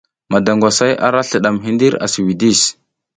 Madangwasay ara slidadm hidir a si widis.